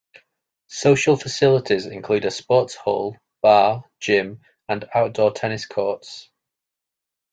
Social facilities include a sports hall, bar, gym and outdoor tennis courts.